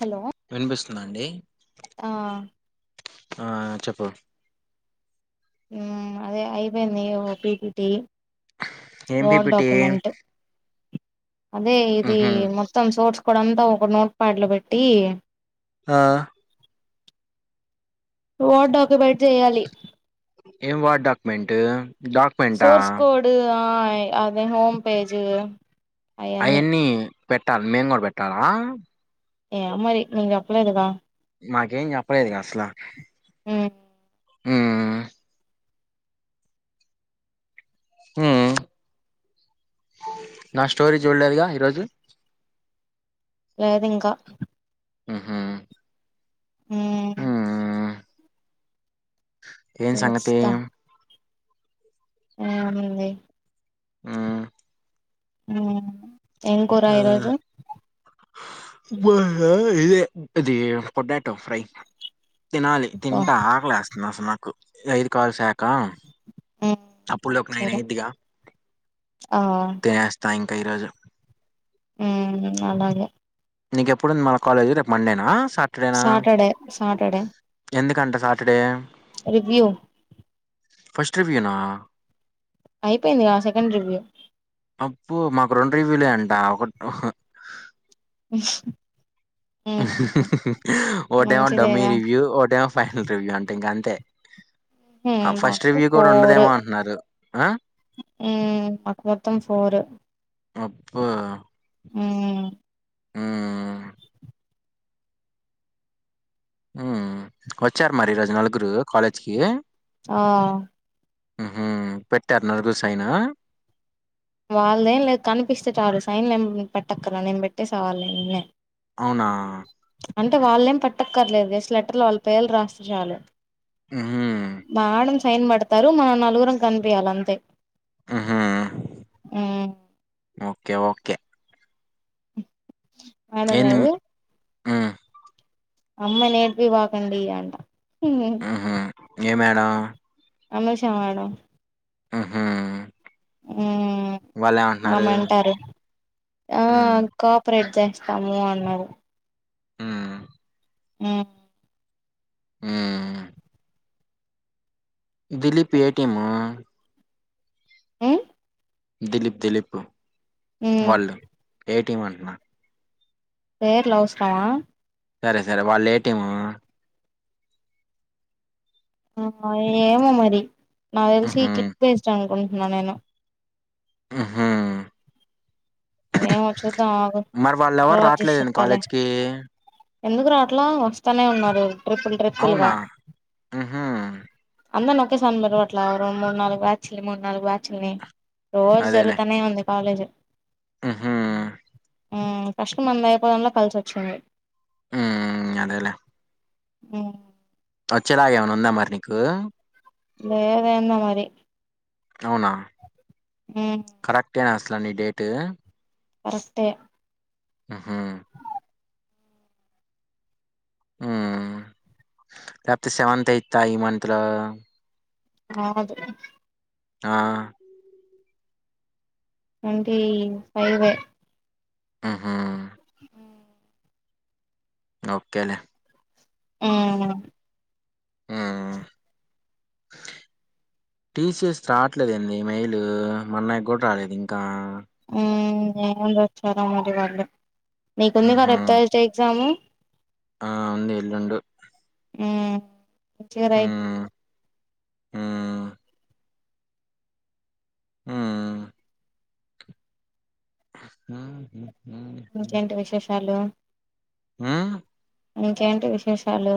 Hello వినిపిస్తుందా అండి? ఆ ఆ చెప్పు ఊ అదే అయి పోయింది ఓ పిపిటి ఏం వార్డ్ పిపిటి డాక్యుమెంట్ అదే ఇది ఉహు మొత్తం సోర్స్ అంతా ఒక నోట్ ప్యాడ్ లో పెట్టి ఆ వార్డ్ డాక్యుమెంట్ చేయాలి ఏం వార్డ్ డాక్యూమెంట్? సోర్స్ కోడ్ ఆ అదే హోమ్ పేజ్ అయన్నీ పెట్టాలి, మేం కూడ్ పెట్టాలా? ఎమ్ మరి, నీక్ చెప్పలేద్ గా మాకేం చెప్పలేదుగా అసలు ఉ ఉమ్మ్. ఉమ్, నా స్టోరీ చూడలేదుగా ఈరోజు. లేద్ ఇంకా. ఉహుమ్. ఉమ్ హుమ్మ్. ఏం సంగతి. ఏం ఉన్నింది. ఉమ్. ఉమ్, ఏం కూర ఆ ఈరోజు. [inaudible] ఇదే ఇది పొటాటో ఫ్రై. తినాలి, ఓ తింటా. ఆకలే ఏస్తోంది అసల్ నాకు, ఇగ ఐదు కాల్స్ అప్ కా. ఉమ్ అప్పుట్లోపూ నైన్ సరే అయిద్దిగా, ఆ తినేస్తా ఇంక్ తిరాజు. ఉహుమ్ అలాగే. నీక్ ఎప్పుడుంది మా కాలేజ్ రేపు మండేనా, సాటర్డేనా. సాటర్డే సాటర్డే ఎందుక్ కంటా సాటర్డే. రివ్యూ. ఫస్ట్ రివ్వు నా? అయిపోయిందిగా సెకండ్ రివ్యూ అప్పు మాకు రెండు రీవ్యూలే అంట. ఒకట్ ఓహో అ ఓటేమో డమ్మీ మంచిదేగా రివ్యూ, ఓటేమో ఫైనల్ రివ్యూ అంట. ఇంకా అంతే. హుమ్మ్, ఫస్ట్ మాకు రివ్యూ కూడా ఫోర్. ఉండదేమో అంటున్నారు ఆ ఉమ్ మాకు మొత్తం, ఫోర్. అబ్బో. ఉమ్మ్. మ్మ్ ఉమ్ కొచ్చారు మరి, ఈ రోజు నలుగురు కాలేజ్కి? ఆ. ఉహుమ్, పెట్టార్ [unintelligible] సైనా. వాళ్ళదేం లేద్ కనిపిస్తే చాలు, సైన్లు ఏం మీ పెట్టక్కర్ లే, నేన్ బేట్టేసే వాళ్ళే నిన్నే. అవునా. అంటే వాళ్లేం పట్టక్కర్లేదు, జేస్ట్ లెటర్లో వాళ్ళ పేర్లు రాస్తే చాలు. మ్హూ మేడమ్ సైన్ బెడ్తారు, మనం నలుగురం కనిపియ్యలే అంతే. ఉహుమ్, ఉమ్, ఓకే ఓకే. [unintelligible] లేవు. ఊ. అమ్మ నీ ఏడ్పిబాకాండి అంటా. ఉహుమ్, ఏ మేడం. అనుష మేడం. ఉహుమ్. ఉమ్ మ్యామ్ అంటారు, ఆ హ్మ్ కాపరేట్. తెచ్చుకోండి అన్నాది. ఉమ్మ్. ఉ. ఉమ్మ్. Dilip A team. ఉమ్. దిలీప్ దిలీపు, మ్మ్ వాళ్ళు ఏ టీం అంటున్నా. ఫేర్ లౌస్ కదా. సరే, సరే వాళ్ళు ఏ టీము. ఆ ఏమో మరి నాకు తెలిసి ఉహూ కిట్ వెస్ట్ అనుకుంటున్నా నేను ఉహు మరి ఏమో చూద్దాం ఆగు మరి వాళ్ళ ఎవరు తర్వాత చూసి రాట్లేదండి చెప్తాలే కాలేజ్కి ఎందుకు రావట్ల వస్తానే ఉన్నారు ట్రిప్పుల్ ట్రిప్పుల్గా అవునా ఉహూ అందరినీ ఒకేసారి పిలవట్ల ఒక రెండు మూడు నాలుగు బ్యాచ్ల్ని మూడు నాలుగు బ్యాచ్ల్ని రోజు జరుగుతానే ఉంది కాలేజ్ ఉహు ఫస్ట్ మనది అయిపోవాడం లో కలిసి వచ్చింది హ్మ్మ్ అదేలే ఉ వచ్చేలాగ ఏమైనా ఉందా మరి నీకు లేదెందో మరి అవునా ఉమ్ కరెక్టేనా అసల నీ డేటు కరెక్ట్ యే ఉహు హూ లేపోతే సెవెంతయితా ఈ మంత్ లో కాదు ఆ టంటీ ఫైవే ఉహు ఓకె లె ఊ హ్మ్. టీసెస్ రాట్లేదేంది మెయిల్ మా అన్నాయక్కూడా రాలేదు ఇంకా ఏమో లే వస్తె రాని లేకపోతే పోని లే నీకు ఉంది హుహు. కదా ట్యూస్డే ఎగ్జామ్ ఆ ఉంది ఇల్ండు హ్మ్మ్ మంచిగా రాయి హ్మ్మ్ హూ హూ ఇంకెంటి విశేషాలు హూ ఇంకేంటి విశేషాలు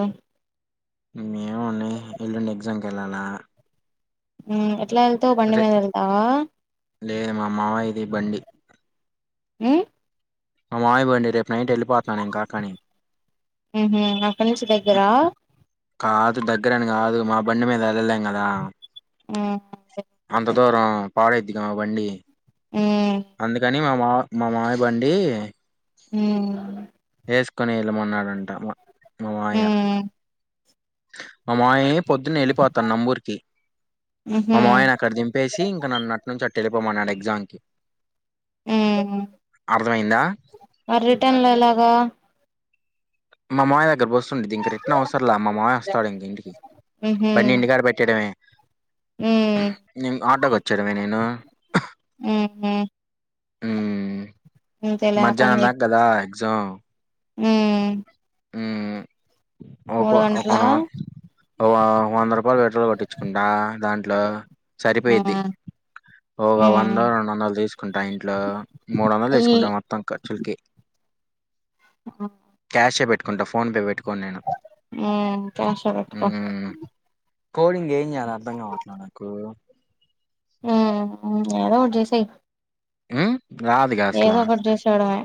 ఏముంటాయి ఎల్లుండి ఎగ్జామ్ కెళ్ళాలా హూ ఎట్లా ఎల్తవ్ బండి మీదెల్తావా లే మా మామయిది బండి ఊ మా మామయ బండి రేపు నైట్ ఎల్లిపోతానింకా కానీ ఉహూ అక్కడి నుంచి దగ్గరా కాదు దగ్గరని గాదు మా బండి మీద ఎల్లలేం గదా ఉహు అంత దూరం పాడయింది గా బండి మ్మ్ అందుకని మా మా మా మామయ బండి హూ ఏసుకొని వెళ్ళమన్నాడంట మ మా మామయ్య మ్మ్ మా మామయా పొద్దున్నే ఎల్లిపోతన్నంబూరికి మా ఊహూ మామయను అక్కడ దింపేసి ఇంకా నన్నట్నుంచి అట్ ఎలిపోమాన్నాడు ఎగ్జామ్ కి ఊ అర్థమైందా మరి రిటన్ ఎలాగా మా మామయ దగ్గర బోస్ దింక రిటన్ అవసరం లా మా మామయ వస్తాడు ఇంక ఇంటికి ఊహూ బండి ఇంటికాడ పెట్టయడమే మ్మ్ నేమ్ ఆటోకి వచ్చెడమే నేను ఊహూ ఉమ్మ్ అంతేలే మధ్యాహ్నం దాక గదా ఎగ్జామ్ ఉమ్మ్ ఉమ్ ఒకొ గంటలా ఓకున్నావా ఓవ వంద రూపాయలు పెట్రోల్ కొట్టించుగుండా దాంట్లో సరిపోయిద్ది మ్మ్ ఒగ వంద మ్మ్ రెండు వందలు తీసుకుంటా ఇంట్లో మూడు వందలు తీసుకుంటా మొత్తం ఖర్చుల్కి మ్ షే పెట్టుకుంటా ఫోన్ పే పెట్టుకోన్ నేను మ్మ్ క్యాష్ లో పెట్టుకో కోడింగ్ ఏం చేయాలో అర్థం గావట్లే నాకు మ్మ్ ఏదోటి జేసేయ్ మ్మ్ ఏదో ఒకటి జేసాడమే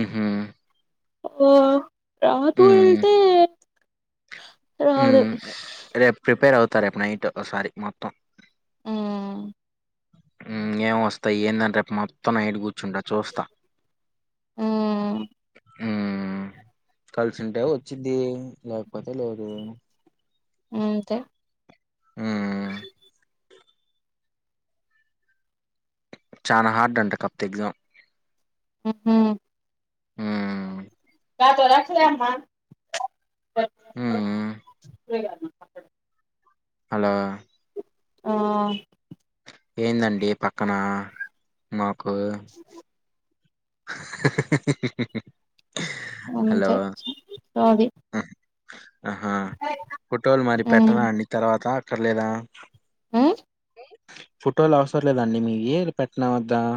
మ్ హు ఒ రాదు అంటే రాదు మ్ రేపు ప్రిపేర్ అవుతా రేపు నైట్ ఒకసారి మొత్తం మ్మ్ మ్ ఏం వస్తాయి ఏందని రేపు మొత్తం నైట్ గు ర్చుండ చూస్తా మ్మ్ ఆ కలిసి ఉంటే వచ్చిద్ది లేకపోతే లేదు మ్ అంతే మ్ చానా హార్డ్ అంట కాపోతే ఎగ్జాం మ్ హు హ్మ్ గదరా తయమా హ్మ్ హలో మ్మ్ ఏందండి పక్కన మాకు హలో అంతే సోది ఆహా ఫోటోలు మరి పెట్టనా అండి తర్వాత అక్కర్లేదా మ్ ఫోటోలు అవసరం లేదా అండి మీయి పె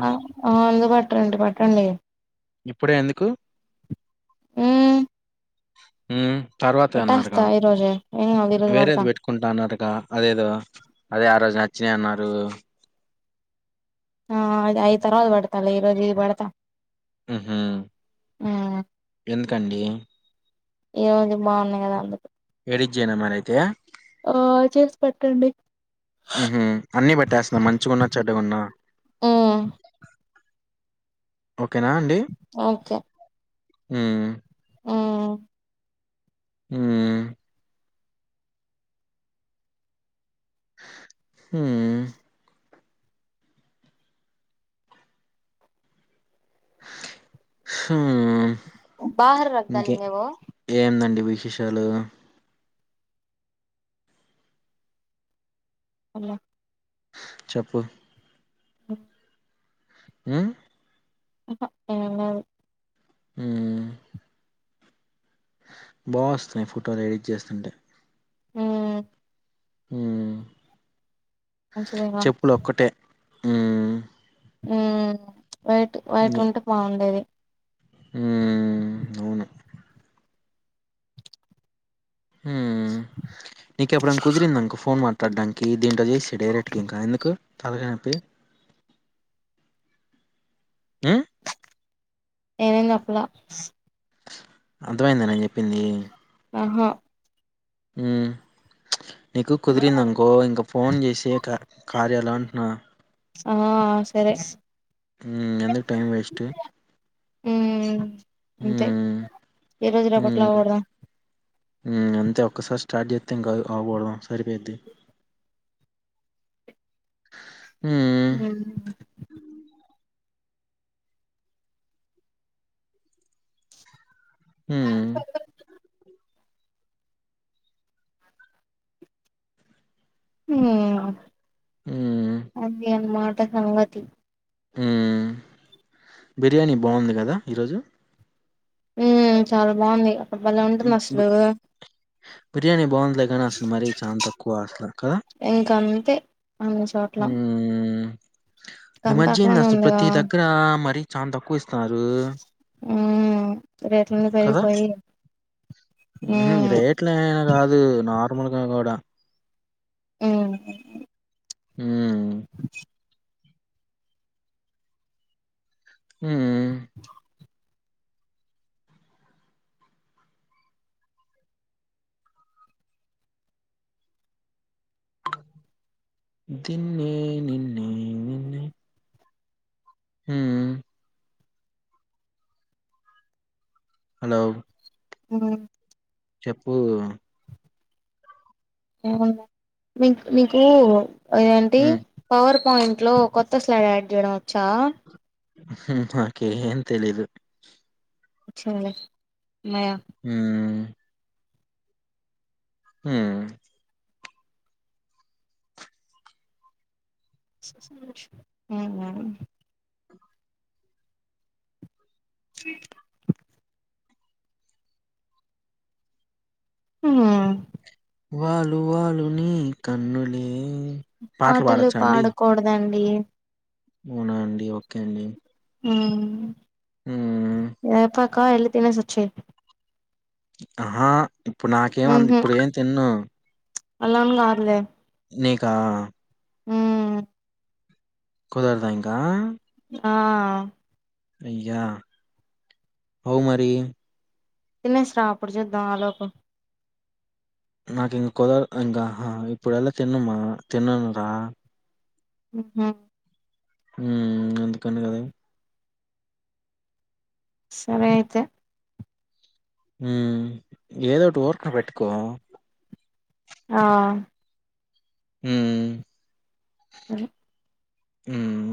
ఆ ముందు పట్టండి పట్టండి ఇప్పుడే ఎందుకు మ్మ్ మ్మ్ తర్వాతే అన్నారుగా పెట్టేస్తా ఈ రోజే ఏం కాదు ఈ రోజు పడతా వేరేది పెట్టుకుంటా అన్నారు గ అదేదో అదే ఆ రోజు నచ్చినీ అన్నారు ఆ అ అయ్ తర్వాత బెడతాలె ఈ రజు ఇది బెడతా మ్ హు మ్మ్ ఎందుకండి ఈ రోజు బావున్నాయ్ కదా అందుకు ఇరిజినా మ్యాన్ అయితే ఓ చేసి పెట్టండి మ్ హు అన్ని బెట్టేస్తున్నా మంచిగున్నా చెడ్డగున్నా మ్మ్ ఓకేనా అండి ఓకే మ్మ్ మ్మ్ మ్మ్ ఉమ్మ్ ఉమ్మ్మ్ బహర్ రగ్దాలింగే ఓ ఏందండి విశేషాలు [unintelligible] చెప్పు ఓ హు ఆహా ఏంలేదు హు బావస్తున్నాయి ఫోటోలు ఎడిట్ చేస్తుంటే హ్మ్ హు మంచిదేన హు ఉ వైట్ వైట్ ఉంటే బాగుండేది ఉ అవును నీకెప్పుడున్న కుదిరిందనుకో ఫోన్ మా ట్టడ్డానికి దీంట్లో చేసి డైరెట్కి ఇంకా ఎందుకు తలకాయ్ నోప్పి ఉ [unintelligible] అర్థమైంద నేను చెప్పింది ఆహా నీకు కుదిరిందనుకో ఇంక ఫోన్ చేసే క కర్యాల న్నా ఆ సరే హ్మ్. ఎందుకు టైం వేస్టు. ఉ అంతే హ్మ్. ఏ రోజు రెపట్లో హ్మ్. ఇపోగొధం హ్మ్. అంతే ఒక్కసారి స్టార్ట్ చేస్తే ఇంకా ఆపోడం సరిపోయిది ఆ హు హు హ్మ్. అది అనమాట సంగతి బిర్యానీ బాగుంది కదా ఈరోజు ఉ చాలా బాగుంది అక్కడ బలే ఉంటుంది హ్మ్. బి అసలు బిర్యానీ బాగుందిలే కానీ అసలు మరీ చాల తక్కువ అసలు కదా ఇంక అంతే అన్ని చోట్ల ఇ అంతా మధ్య ఏంది అట్లానే అసలు ఉందిగా ప్రతి దగ్గర మరి చాందక్కువ ఇస్ న్నారు హ్మ్ రేట్లన్నీ కదా పెరిగిపోయి హ్మ్ రేట్లు ఏ కాదు నార్మల్గా కూడ ఉ ఊ హు నిన్నే నిన్నే నిన్నే హు హలో హు చెప్పు నీ నీకు ఏంటి హ్మ్. పవర్ పాయింట్ లో కొత్త స్లైడ్ యాడ్ చేయడం వచ్చా నాకేం తెలీదు వచ్చింది మయ హ్మ్. హు ఉ స హు వాలు వాలు నీ కన్నులే పాటలు పాడొచ్చా అండి? పాడకూడదండీ అవునా అండి ఒక్కే అండి హ్మ్. ఆ యాపకాయలు తిని సచ్చే ఆహా ఇప్పుడు నాకేమ ఇప్పుడెం తిన్నూ అలాన్గాదులే నీకా కుదర్దా ఇంకా ఆ అయ్యా ఔ మరీ తినేసిరా అప్పుడు చూద్దాం ఆలోపు నాకెందుకో ఇంకా హ ఇప్పుడు ఎలా తిన్నమా తిననురా ఉహు ఉమ్మ్ అందుకని గదా సరే అయితే మ్మ్ ఏదోటి ఓర్క్న పెట్టుకో ఆ హ [unintelligible] మ్మ్మ్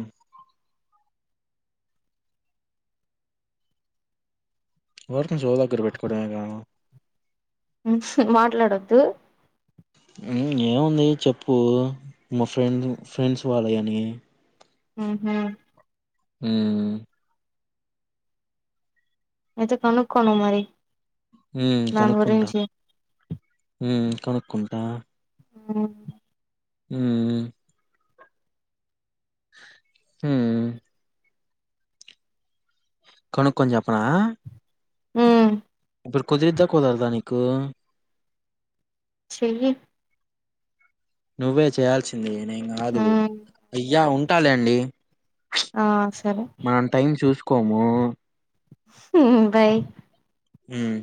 ఊరికనే చెవు దగ్గర పెట్టుకోవడమేగా మ్మ్ హ్ మాట్లాడొద్దు మ్మ్ ఏముందీ చెప్పూ మా ఫ్రెండ్ ఫ్రెండ్స్ వాళ్ళయనీ ఊ హూ మ్మ్మ్మ్ అయితే కనుక్కో నూ మరి ఉమ్మ్ దాని కనుక్కుంటా గురించి ఉమ్మ్ కనుక్కుంటా ఆ ఊ ఊ కొనుక్కొని చప్పునా ఊ ప్పుడు కుదిరిద్దా కుదరదా నీకూ చెయ్యి నువ్వే చేయాల్సింది నేంగాదు హ్మ్ అయ్యా ఉంటాలే అండీ ఆ సరే కొమా మ్మ్ ఊఉ బై హ్మ్